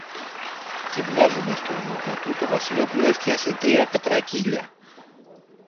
Και βγάζοντας το ρούχο του, το Βασιλόπουλο έφτιασε τρία κατρακύλια.